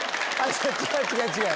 違う違う違う！